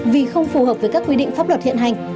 vì không phù hợp với các quy định pháp luật hiện hành